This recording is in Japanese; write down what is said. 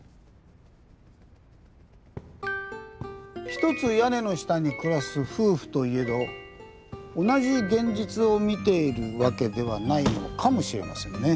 一つ屋根の下に暮らす夫婦といえど同じ現実を見ているわけではないのかもしれませんね。